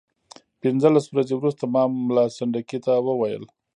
پنځلس ورځې وروسته ما ملا سنډکي ته وویل.